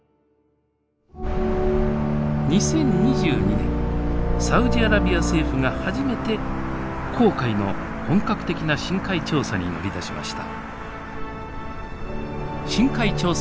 ２０２２年サウジアラビア政府が初めて紅海の本格的な深海調査に乗り出しました。